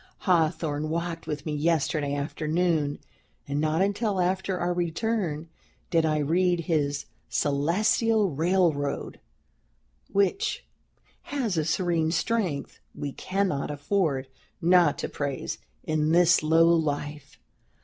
Hawthorne walked with me yesterday afternoon, and not until after our return did I read his 'Celestial Railroad,' which has a serene strength we cannot afford not to praise, in this low life.